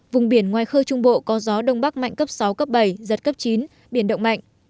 vùng biển ngoài khơi trung bộ có gió đông bắc mạnh cấp sáu cấp bảy giật cấp chín biển động mạnh